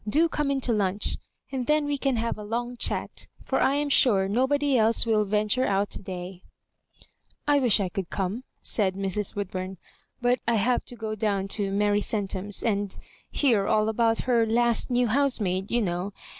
Do come In to lunch, and then we can have a long chat ; for I am sure nobody else will venture out to " I wish I could come," said Mrs. "Woodbum; " but I have to go down to Mary Centum's, and hear all about her last new housemaid, you know.